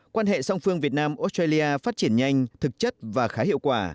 quan hệ song phương việt nam australia phát triển nhanh thực chất và khá hiệu quả